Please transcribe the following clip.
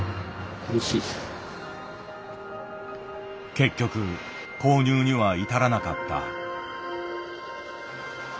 結局購入には至らなかった。